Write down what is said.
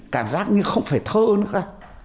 cảm giác như không phải thơ nữa